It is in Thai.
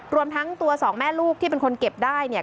รวมทั้งตัวสองแม่ลูกที่เป็นคนเก็บได้เนี่ย